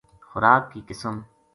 خوراک کی قسم